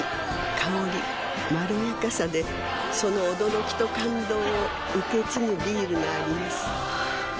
香りまろやかさでその驚きと感動を受け継ぐビールがあります